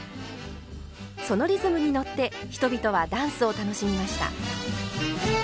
そのリズムに乗って人々はダンスを楽しみました。